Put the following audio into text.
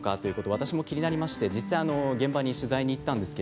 私も気になりまして実際に現場に取材に行きました。